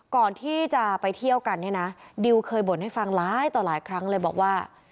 ก่อนที่จะไปเที่ยวกันเนี่ยนะดิวเคยบ่นให้ฟังหลายต่อหลายครั้งเลยบอกว่า